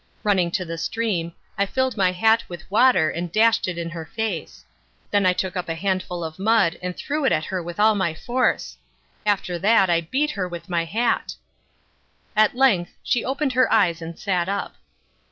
Running to the stream, I filled my hat with water and dashed it in her face. Then I took up a handful of mud and threw it at her with all my force. After that I beat her with my hat. At length she opened her eyes and sat up.